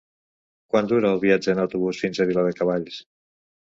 Quant dura el viatge en autobús fins a Viladecavalls?